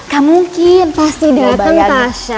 gak mungkin pasti dateng tasya